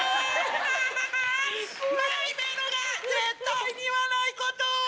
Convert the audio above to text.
ハハハマイメロが絶対に言わないこと。